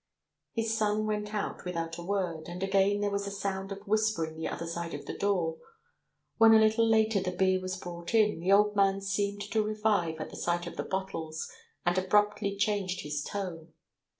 His son went out without a word, and again there was a sound of whispering the other side of the door. When a little later the beer was brought in, the old man seemed to revive at the sight of the bottles and abruptly changed his tone.